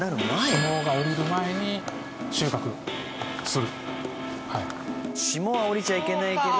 霜が降りる前に収穫する。